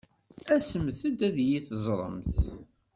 Asemt-d ad iyi-teẓṛemt.